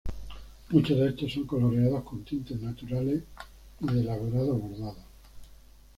Muchos de estos son coloreados con tintes naturales y de elaborados bordados.